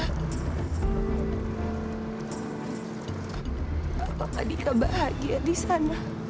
apa kak dika bahagia di sana